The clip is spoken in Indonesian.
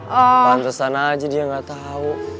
pantesan aja dia nggak tahu